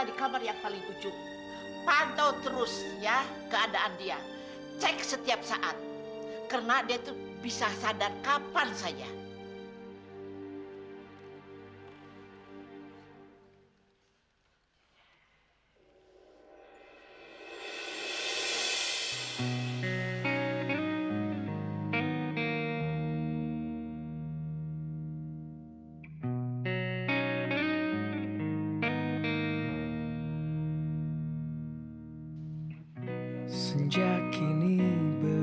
sampai jumpa di video selanjutnya